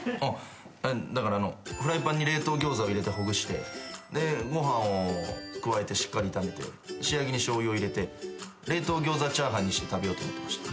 だからフライパンに冷凍ギョーザを入れてほぐしてでご飯を加えてしっかり炒めて仕上げにしょうゆを入れて冷凍ギョーザチャーハンにして食べようと思ってました。